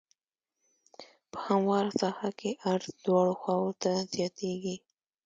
په همواره ساحه کې عرض دواړو خواوو ته زیاتیږي